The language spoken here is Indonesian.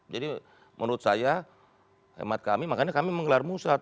jadi menurut saya hemat kami makanya kami menggelar musrah